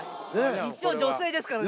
一応女性ですからね。